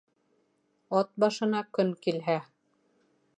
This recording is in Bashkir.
Ат башына көн килһә